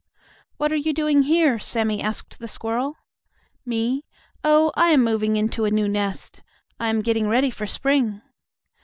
"What are you doing here?" Sammie asked the squirrel. "Me? Oh, I am moving into a new nest. I am getting ready for spring."